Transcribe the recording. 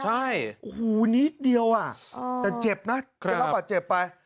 ใช่โอ้โหนิดเดียวอ่ะอ่าแต่เจ็บนะเนี้ยละบอกว่าเจ็บไป